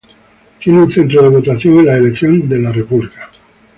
Tiene un centro de votación en las elecciones de la República.